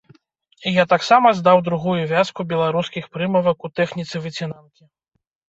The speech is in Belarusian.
Я таксама здаў другую вязку беларускіх прымавак у тэхніцы выцінанкі.